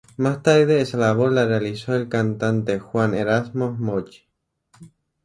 Más tarde esa labor la realizó el cantante Juan Erasmo Mochi.